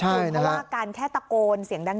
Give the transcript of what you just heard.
เพราะว่าการแค่ตะโกนเสียงดัง